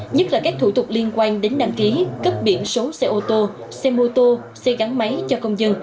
nhất là các thủ tục liên quan đến đăng ký cấp biển số xe ô tô xe mô tô xe gắn máy cho công dân